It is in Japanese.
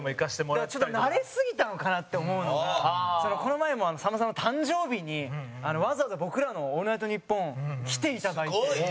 兼近：ちょっと慣れ過ぎたのかなって思うのがこの前も、さんまさんの誕生日にわざわざ、僕らの『オールナイトニッポン』来ていただいて。